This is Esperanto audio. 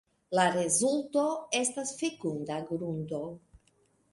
La rezulto estas fekunda grundo.